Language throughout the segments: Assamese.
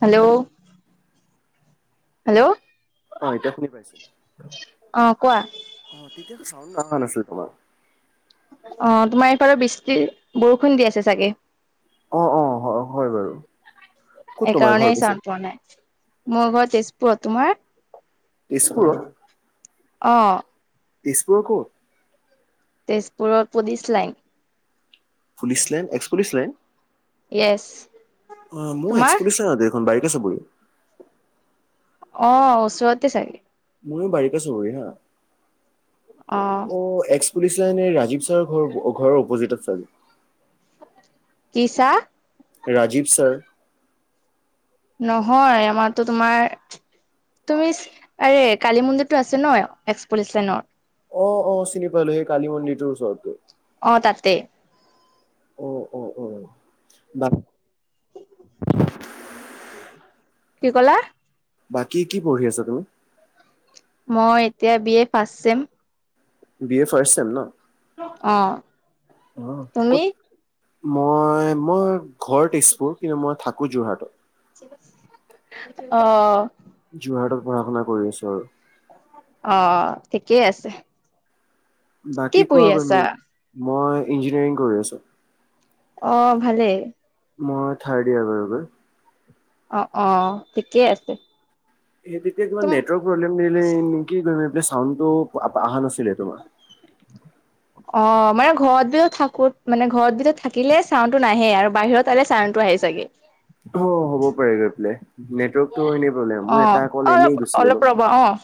হেল্ল' হেল্ল' অ এতিয়া শুনি পাইছো কোৱা অ তেতিয়া চাউণ্ড অহা নাছিল তোমাৰ অ তোমাৰ এইফালে বৃষ্টি বৰষুণ দি আছে চাগে অ অ হয় হয় বাৰু ক'ত তোমাৰ ঘৰ সেইকাৰণেই পিছে চাওন পোৱা নাই মোৰ ঘৰত তেজপুৰ তোমাৰ। তেজপুৰৰ, অঁ তেজপুৰ কত। তেজপুৰত police line. Police lane ex police lane য়েছ অ মোৰ এক্স তোমাৰ পুলিচ এ হয়। ও বাইকে চুব সি, অ ওচৰতে চাগে। মোৰ বাৰকা চহৰ না অ এক্স পুলিছিলেনে এ ৰাজীৱ ছাৰ ঘৰ ঘৰৰ অপজিটত চাগে। কি চা, ৰাজীৱ ছাৰ। নহয় আমাৰতো তোমাৰ। তুমি চ আৰে কালি মন্দিৰটো আছে ন এক্স পুলিচ লেনৰ। অ অ চিনি পালো সেই কালি মন্দিৰটোৰ ওচৰতো, অ তাতে। অ অ অ বা কি কলা। বাকী কি পঢ়ি আছা তুমি। মই এতিয়া B A first sem. B A first sem ন অ অ তুমি ক'ত, মই মই ঘৰ তেজপুৰ কিন্তু মই থাকো যোৰহাটত। অ যোৰহাটত পঢ়া শুনা কৰি আছো আৰু অ ঠিকেই আছে কি বাকী কোৱা পঢ়ি গৈ আছা। মই ইঞ্জিনিয়াৰিং কৰি আছোঁ। অ ভালেই, মই থাৰ্ড ইয়াৰ এইবাৰ, অ অ ঠিকেই আছে। সেই তেতিয়া কিমান তুম নেটৱৰ্ক প্ৰব্লেম দিলে কি কৰিম এইফলে চাউণ্ড টো অহা নাছিলে তোমাৰ। অ মানে ঘৰত বি থাকোত মানে ঘৰত বিধ থাকিলে চাউণ্ডটো নাহে আৰু বাহিৰত তালে চাউণ্ডটো আহে চাগে। অ হ'ব পাৰে গৈ পেলাই। নেটৱৰ্কটো এনে প্ৰব্লেম মই অ' এটা কল অলপ এনেই গুচি অলপ গলো। ৰ'বা অ'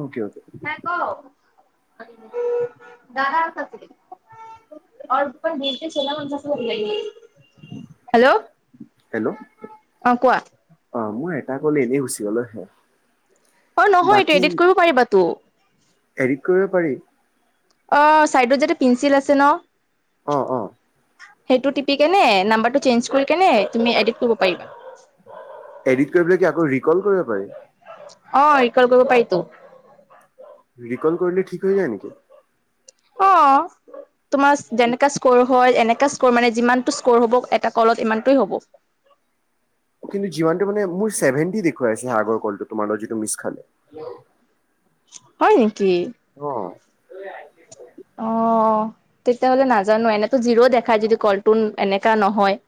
অকে অকে, নাই ক [inaudible] [unintelligible] [unintelligible] হেল্ল', হেল্ল', অ কোৱা। অ মই এটা ক'লে এনেই গুচি গল হে, অ নহয় এইটো বাকী এডিট কৰিব পাৰিবা টো। এডিট কৰিব পাৰি। অঁ ছাইডত যিটো পিঞ্চিল আছে ন, অ অ, সেইটো টিপি কেনে নাম্বাৰটো চেঞ্জ কৰি কেনে তুমি এডিক্ট কৰিব পাৰিবা। এডিট কৰি পেলাই আকৌ ৰি কল কৰিব পাৰি। অ ৰি কল কৰিব পাৰিটো। ৰিকল কৰিলে ঠিক হৈ যায় নেকি। অ', তোমাৰ যেনেকা স্ক'ৰ হয় এনেকা মানে যিমানতটো স্ক্ৰৰ হ'ব এটা কলত ইমানটোৱেই হ'ব। কিন্তু যিমানটো মানে মোৰ চেভেটি দেখুৱাইছে আগৰ কল টো তোমাৰ লগত যিটো মিছ খালে। হয় নেকি? অ'। অ'। তেতিযয়াহলে নাজানো, এনেতো জিৰ' দেখাই যদি কলটোন এনেকা নহয়।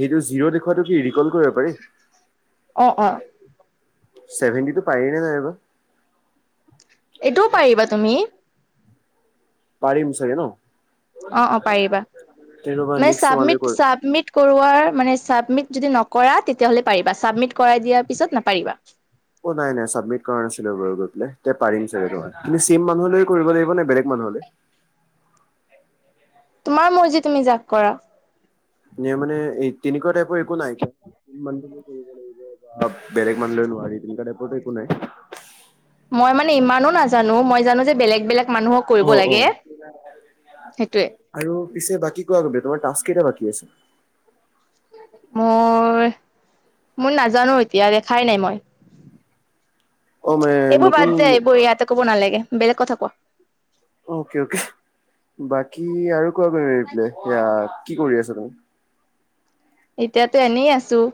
সেইটো জিৰ' দেখুৱটো কি ৰিকল কৰিব পাৰি? অ', অ'। ছেভেণ্টি টো পাৰি নে নাই বা? এইটোও পাৰিবা তুমি। পাৰিম চাগে ন? অ', অ', পাৰিবা। তে ৰ'বা নেক্সট তোমালৈ কৰিম চাবমিট-চাবমিট কৰোৱাৰ মানে চাবমিট যদি নকৰা তেতিয়া হলে পাৰিবা চাবমিট কৰাই দিয়াৰ পিছত নাপাৰিবা। অ', নাই-নাই চাবমিট কৰা নাছিলোঁ বাৰু গৈ পেলাই। পাৰম চাগে তোমাৰু। তুমি ছেম মানুহলৈ কৰিব লাগিব নে বেলেগ মানুহলৈ? তোমাৰ মৰ্জি তুমি জাক কৰা। মনে এই তেনেকুৱা টাইপৰ একো নাই [unintelligible] কৰিব লাগিব বা বেলেগ মানুহলৈ নোৱাৰি তেনেকুৱা টাইপৰটো একো নাই? মই মানে ইমানো নাজানোঁ, মই জানোঁ যে বেলেগ-বেলেগ মানুহক অ কৰিব অ লাগে, সেইটোৱে। আৰু পিছে বাকী তোমাৰ টাস্কচ কেইটা বাকী আছে? মোৰ-মোৰ নাজানোঁ এতিয়া, দেখাই নাই মই। অ মানে এইবোৰ নতুন বাদ যায় এইবোৰ ইয়াতে ক'ব নালাগে, বেলেগ কথা কোৱা। অকে-অকে। বাকী আৰু কোৱা কৰিৰি পলে সয়া কি কৰি আছা তুমি? এতিয়াতো এনেই আছোঁ।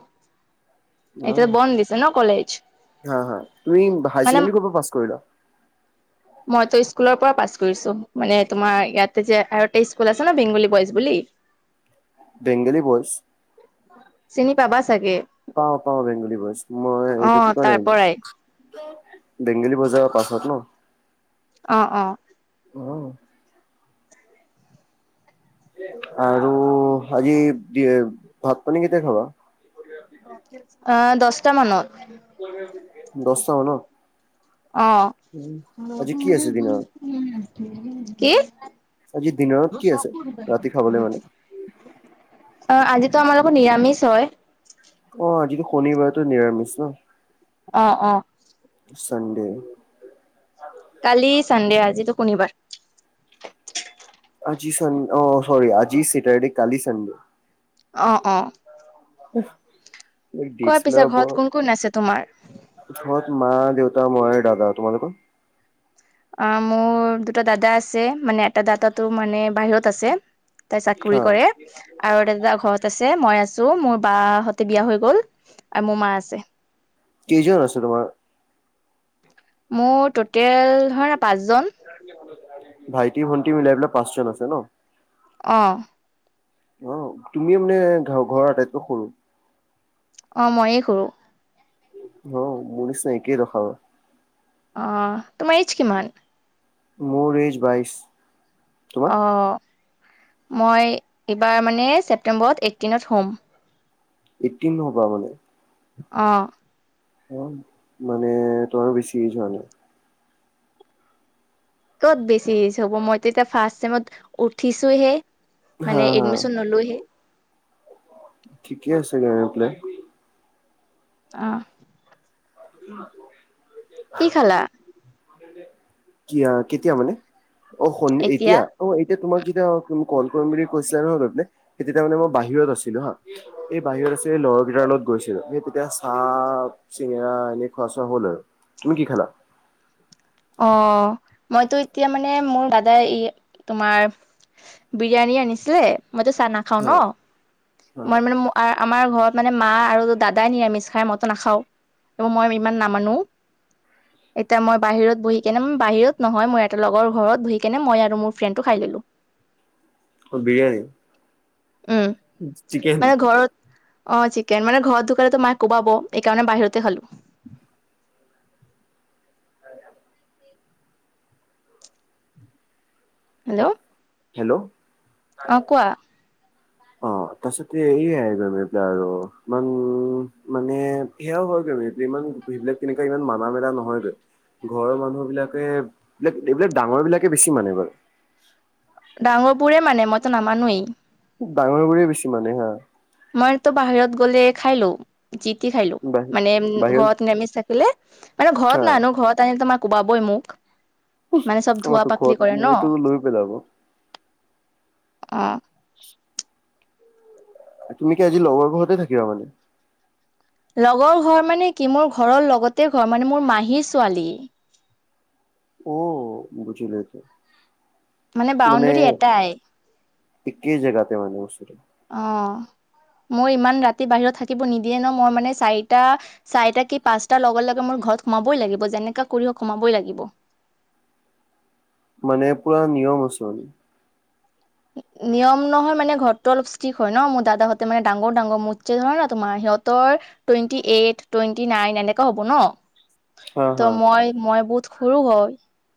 অ এতিয়া বন্ধ দিছে ন কলেজ। মানে কৰপৰা পাছ কৰিলা? মই তো স্কুলৰ পৰা পাছ কৰিছোঁ, মানে তোমাৰ ইয়াতে যে আৰু এ স্কুল আছে ন বেংগলী বইজ বুলি? বেংগালী বইজ? চিনি পাবা চাগে। পাওঁ-পাওঁ বেংগলী বইজ। মই অ এইটো কি [unintelligible] তাৰ পৰাই বেংগলী বজাৰৰ পাছত ন? অ', অ'। অ'। আৰু আজি দ ভাত পানী কেতিয়া খাবা? অ, দহটা মানত। দছটা মানত? অ', আজি কি আছে দিনত কি? আজি দিনাৰত কি আছে? ৰাতি খাবলৈ মানে। অ', আজিতো আমালোকৰ নিৰামিষ হয়। অ', আজিতো শনিবাৰেতো নিৰামিষ ন। অ', অ'। চাণ্ডে। কালি চানডে আজিতো শনিবাৰ। আজি অ চান অ চৰি আজি চেটাৰডে কালি চাণ্ডে। অ', অ'। উ। কোৱা পিছে ঘৰত কোন-কোন আছে তোমাৰ? ঘৰত মা, দেউতা, মই আৰু দাদা। তোমালোকৰ? অ, মোৰ দুটা দাদা আছে মানে এটা দাদো মানে বাহিৰত আছে। তাত চাকৰি হা কৰে আৰু এটা দাদা ঘৰত আছে, মই আছো, মোৰ বাহতি বিয়া হৈ গ'ল। আও মোৰ মা আছে। কেইজন আছে তোমাৰ? মোৰ টটেল ধৰা পাঁচ জন। ভাইটি ভন্টি মিলাই পেলাই পাঁচজন আছে ন। অ। অ তুমিয়ে মানে ঘ ঘৰৰ আটাইতকৈ সৰু? অ মইয়ে সৰু। অ মোৰ নিচিনা একেই দশা। অ তোমাৰ এইজ কিমান? মোৰ এইজ বাইশ। তোমাৰ? অ মই এইবাৰ মানে ছেপটেম্বৰত এইটিনত হ'ম। এইতটিন হ'বা মানে? অ। অ মানে তোমাৰ বেছি এইজ হোৱা নাই। ক'ত বেছি এইজ হ'ব মইতো এতিয়া ফাৰ্ষ্ট চেমত উঠিছোহে হা, মানে হা। এডমি- নলৈহে ঠিকে আছে গায় পেলাই অ। [unintelligible] কি খালা? কিয় কেতিয়া মানে অ শ এতিয়া অ এতিয়া তোমাক যেতিয়া কল কৰিম বুলি কৈছিলা ন [unintelligible] তেতিয়া মানে মই বাহিৰত আছিলো হা। এই বাহিৰত আছে লগৰ কেইটাৰ লগত গৈছিলো সে তেতিয়া চাহ চিঙৰা এ খোৱা চোৱা হ'ল আৰু। তুমি কি খালা? অ মইতো এতিয়া মানে মোৰ দাদাই ই তোমাৰ বিৰিয়ানী আনিছিলে মইতো চাহ নাখাও হা, ন, হা। মই মানে আৰু আমাৰ ঘৰত মানে মা আৰু দাদাই নিৰামিষ খাই মইতো নাখাও। মই ইমান নামানো, এতিয়া মই বাহিৰত বহি কেনে বাহিৰত নহয় মোৰ এটা লগৰ ঘৰত বহি কেনে মই আৰু মোৰ ফ্ৰেণ্ডটো খাই ললো। অ বিৰিয়ানী। উম চিকেন। মানে ঘৰত অ চিকেন মানে ঘৰত ঢুকালেত মায়ে কোবাব এইকাৰণে বাহিৰতে খালো [inaudible] হেল্ল' হেল্ল' অ কোৱা? অ। পাছতে এইয়াই [unintelligible] ইমান মানে সেয়াও হয় যিমান সেইবিলাক তেনেকা ইমান মানা মেলা নহয় গৈ। ঘৰৰ মানুহ বিলাকে এইবিলাক এইবিলাক ডাঙৰ বিলাকে বেছি মানে বাৰ। ডাঙৰবোৰে মানে মইতো নামানোৱেই। ডাঙৰ বোৰে বেছি মানে হা। মইতো বাহিৰত গ'লে খাই লওঁ। যিটি খাই লওঁ, বাহি মানে বাহিৰত ঘৰত নিৰামিষ থা- কেলে মানে হা ঘৰত নানো ঘৰত আনিলে তোমাৰ কোবাবই মোক। মানে চব অ ধোৱা তো ঘৰত পাকলি কৰে ন, এইটো লৈ পেলাব অ। [inaudible] তুমি কি আজি লগৰ ঘৰতে থাকিবা মানে? লগৰ ঘৰ মানে কি মোৰ ঘৰৰ লগতে ঘৰ মানে মোৰ মাহীৰ ছোৱালী। অ বুজিলো এতিয়া। মানে বাউণ্ডৰী এটাই একেই জেগাতে মানে ওচৰত অ মোৰ ইমান ৰাতি বাহিৰত থাকিব নিদিয়ে ন মই মানে চাৰিটা, চাৰিটা কি পাঁচটাৰ লগে লগে মোৰ ঘৰত সোমাবই লাগিব যেনেকা কৰি হক সোমাবই লাগিব। মানে পুৰা নিয়ম আছে মানে। নিয়ম নহয় মানে ঘৰতো অলপ ষ্টিক হয় ন মোৰ দাদাহঁতে মানে ডাঙৰ ডাঙৰ মোচে ধৰে ন তোমাৰ সিহঁতৰ টুৱেণ্টি এইট টুৱেণ্টি নাইন এনেকা হ'ব ন হা ত হা মই মই সৰু হয়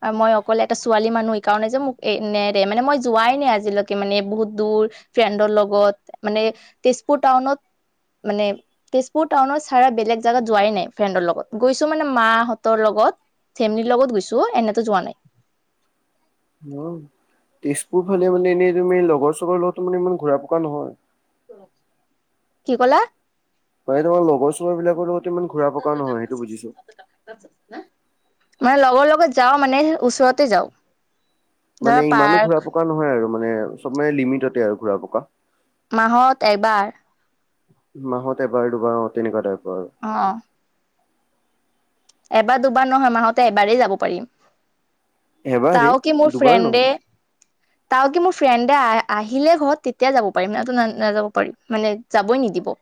আৰু মই অকলে এটা ছোৱালী মানুহ সেইকাৰণে যে মোক নেৰে মানে মই যোৱাই নাই আজি। আজিলৈকে মানে বহুত দূৰ ফ্ৰেডৰ লগত মানে তেজপুৰ টাউনত। মানে, তেজপুৰ টাউন চাৰ বেলেগ জেগাত যোৱাই নাই ফ্ৰেণ্ডৰ লগত গৈছো মানে মাহঁতৰ লগত। ফেমেলিৰ লগত গৈছো এনেতো যোৱা নাই। উম তেজপুৰ ফালে মানে এনেই তুমি লগৰ চগৰ লগত মানে ইমান ঘুৰা পকা নহয়। কি কলা। মানে তোমাৰ লগৰ চগৰ বিলাকৰ লগততো ইমান ঘুৰা পকা নহয় সেইটো বুজিছো। তাত না। মানে লগৰ লগত যাওঁ মানে ওচৰতে যাওঁ। মানে ইমানো ঘূৰা পকা নহয় আৰু মানে চব মানে লিমিটতে আৰু ঘূৰা পকা। মাহত এবাৰ। মাহত এবাৰ দুবাৰ অ তেনেকুৱা টাইপৰ আৰু অ অ, এবাৰ দুবাৰ নহয় মাহতে এবাৰেই যাব পাৰিম। এবাৰে তাও কি মোৰ দুবাৰ ফ্ৰেণ্ডে নহয় [inaudible] তা কি মোৰ ফ্ৰেণ্ডে আহ আহিলে ঘৰত তেতিয়া যাব পাৰিম এনেতো না নাযাব পাৰিম মানে যাবই নিদিব।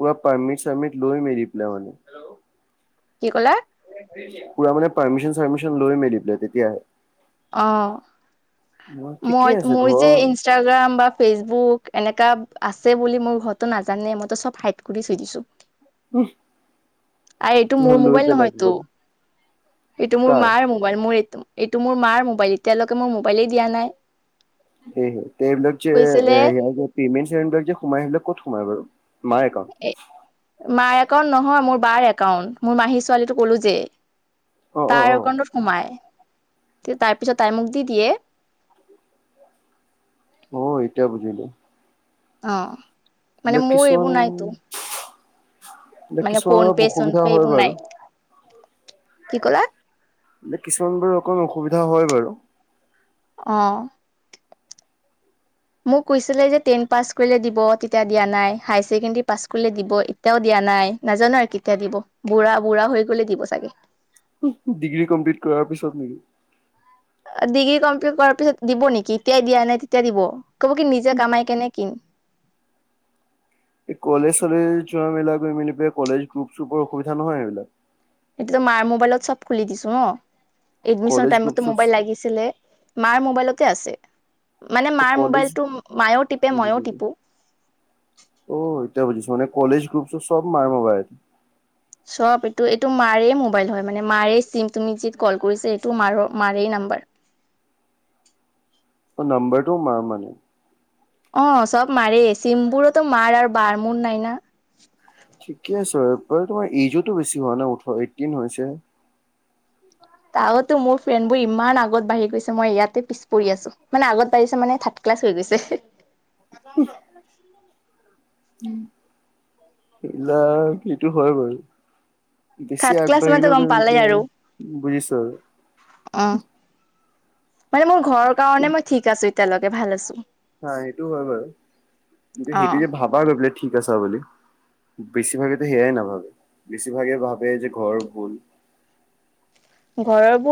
পুৰা পাৰমিট চাৰমিট লৈ মেলি পেলাই মানে। কি ক'লা। পুৰা মানে পাৰমিশন চাৰমিশন লৈ মেলি পেলাই তেতিয়া হে। অ ঠিকে মই আছে মোৰ ঘৰ যে ইনষ্টাগ্ৰাম বা ফেচবুক এনেকা আছে বুলি মোৰ ঘৰতো নাজানে মইতো চব হাইড কৰি থৈ দিছো। [inaudible] আ এইটো মোৰ নহয় লৈ মোবাইল পেলাই নহয়টো গ'ল এইটো মোৰ কাৰ মাৰ মোৰ এইটো মোৰ মাৰ মোবাইল এতিয়ালৈকে মোৰ মোবাইলে দিয়া নাই। সেই এইবিলাক যে কৈছিলে পেমেণ্ট চেমেণ্ট বিলাক সোমাই সেইববিলাক কত সোমাই বাৰু মাৰ একাউণ্ট, এ মাৰ একাউণ্ট নহয় মোৰ বাৰ একাউণ্ট মোৰ মাহী ছোৱালীটো ক'লো যে। অ', অ', তাৰ অ', একাউণ্টত সোমাই তাৰ পিছত তাই মোক দি দিয়ে। অ এতিয়া বুজিলো। অ মানে এইবিলাক মোৰ কিছুমান এইবোৰ নাই তো। এইবিলাক মানে কিছুমানৰ ফোন অলপ পে চন অসুবিধা পে হয় এইবোৰ বাৰু। নাই কি কলা। কিছুমান বাৰু অকমান অসুবিধা হয় বাৰু অ, [inaudible] মোক কৈছিলে যে টেন পাছ কৰিলে দিব তেতিয়া দিয়া নাই হায়াৰ ছেকেণ্ডেৰী পাছ কৰিলে দিব, এতিয়াও দিয়া নাই নাজানো আৰু কেতিয়া দিব বুঢ়া বুঢ়া হৈ গলে দিব চাগে। ডিগ্ৰী কমপ্লিট কৰাৰ পিছত নেকি। ডিগ্ৰী কমপ্লিট কৰাৰ পিছত দিব নেকি এতিয়াই দিয়া নাই তেতিয়া দিব ক'ব কি নিজে কামাই কেনে কিন। এই কলেজ চলেজ যোৱা মিলাক মিলি পাই কলেজ গ্ৰুপ চোপৰ অসুবিধা নহয় সেইবিলাক। সেইটো ত মাৰ মোবাইলত চব খুলি দিছো ন এডমিচন কলেজ গ্ৰুপ টাইমটো চুপ মোবাইল লাগিছে। আছিলে মাৰ মোবাইলতে আছে। মানে মাৰ কলেজ মোবাইলটো মায়েও টিপে মই টিপো। অ এতিয়া বুজিছো মান কলেজ গ্ৰুপ শ্ৰোপ চব মাৰ মোবাইল। চব এইটো এইটো মাৰে মোবাইল হয় মানে মাৰে চিম তুমি যি কল কৰিছা এইটো মাৰ মাৰেই নাম্বাৰ। অ নম্বৰটোও মাৰ মানে। অ চব মাৰেই, চিমবোৰতো মাৰ আৰু বাৰ মোৰ নাই না। ঠিকে আছে বাৰু আৰু তোমাৰ এইজোতো বেছি হোৱা নাই ওঠৰ এইটিন হৈছে হে। তাহতে মোৰ ফ্ৰেণ্ডবোৰ ইমান আগত বাঢ়ি গৈছে মই ইয়াতে পিছ পৰি আছো মানে আগত বাঢ়িছে মানে থাক ক্লাছ হৈ গৈছে। [inaudible] সেইবিলাক কিটো হয় বাৰু। বেছি থাৰ্ড ক্লাছ মানেতো আগবাঢ়িলেও গম বেয়া বেয়া বুজিছা? আ মানে মোৰ ঘৰৰ কাৰণে মই ঠিক আছো এতিয়ালৈকে ভাল আছো। হা সেইটো হয় বাৰু, অ সেইটো যে ভাবা গৈ পেলাই ঠিক আছা বুলি। বেছিভাগেটো সেয়াই নাভাবে, বেছিভাগে ভাবে যে ঘৰৰ ভূল ঘৰৰবোৰ